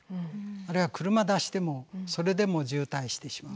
あるいは車出してもそれでもう渋滞してしまう。